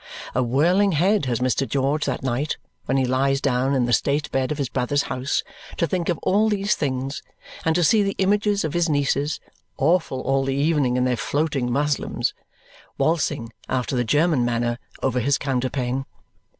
A whirling head has Mr. George that night when he lies down in the state bed of his brother's house to think of all these things and to see the images of his nieces (awful all the evening in their floating muslins) waltzing, after the German manner, over his counterpane.